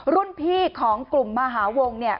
รุ่นพี่ของกลุ่มมหาวงเนี่ย